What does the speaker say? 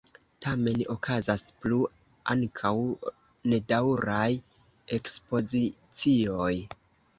Tamen okazas plu ankaŭ nedaŭraj ekspozicioj.